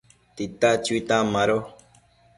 tita chuitan mado